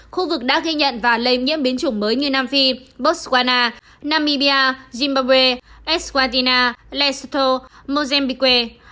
khu vực đã ghi nhận và lây nhiễm biến chủng mới như nam phi botswana namibia zimbabwe eswatina lesotho mozambique